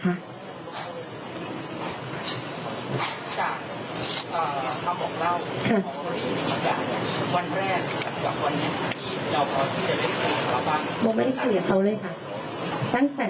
ค่ะเอ่อคำบอกเล่าค่ะวันแรกสักกับวันนี้